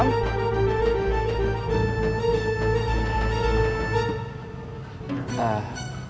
mau hutan kemet gak ada dalam